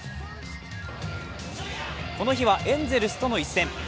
この日はエンゼルスとの一戦。